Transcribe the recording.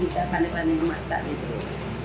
di kita banyak banyak yang memasak gitu